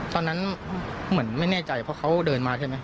ตอนนั้นเหมือนไม่แน่ใจเพราะเขาเดินมาใช่ไหม